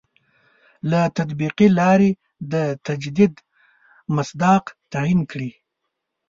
له تطبیقي لاري د تجدید مصداق تعین کړي.